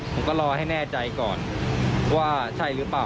ผมก็รอให้แน่ใจก่อนว่าใช่หรือเปล่า